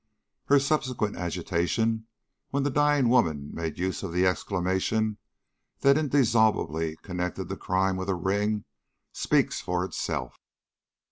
Her subsequent agitation when the dying woman made use of the exclamation that indissolubly connected the crime with a ring, speaks for itself.